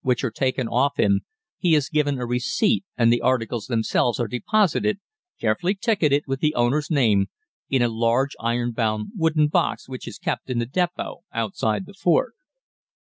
which are taken off him he is given a receipt and the articles themselves are deposited, carefully ticketed with the owner's name, in a large iron bound wooden box which is kept in the depot outside the fort.